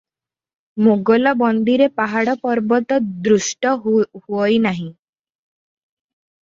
ମୋଗଲବନ୍ଦୀରେ ପାହାଡ଼ପର୍ବତ ଦୃଷ୍ଟ ହୁଅଇ ନାହିଁ ।